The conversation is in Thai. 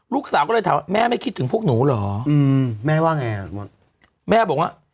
ลูกสาวก็เลยถามว่าแม่ไม่คิดถึงพวกหนูเหรออืมแม่ว่าไงแม่บอกว่า